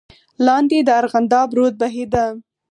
لاندې د ارغنداب رود بهېده.